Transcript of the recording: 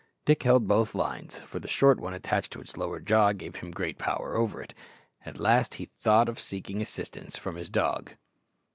Dick held both lines, for the short one attached to its lower jaw gave him great power over it. At last he thought of seeking assistance from his dog.